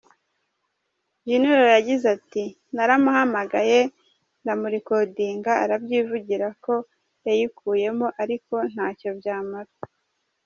Junior yagize ati: “ Naramuhamagaye ndamurikodinga arabyivugira ko yayikuyemo ariko ntacyo byamara.